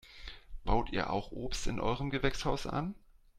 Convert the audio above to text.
Baut ihr auch Obst in eurem Gewächshaus an?